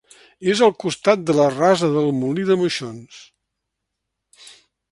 És al costat de la rasa del Molí de Moixons.